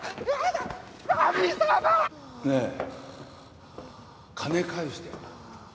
ねぇ金返してよ。